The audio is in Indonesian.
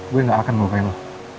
gue gak akan melukain lah